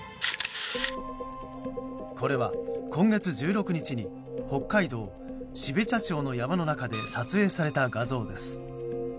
これは今月１６日に北海道標茶町の山の中で撮影された画像です。